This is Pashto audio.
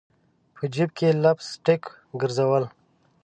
په جیب کي لپ سټک ګرزول